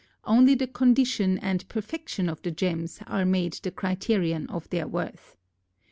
Only the condition and perfection of the gems are made the criterion of their worth.